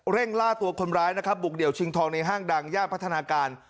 ล่าตัวคนร้ายนะครับบุกเดี่ยวชิงทองในห้างดังย่านพัฒนาการ